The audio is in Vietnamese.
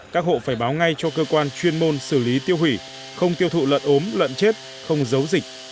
các hộ phải báo ngay cho cơ quan chuyên môn xử lý tiêu hủy không tiêu thụ lợn ốm lợn chết không giấu dịch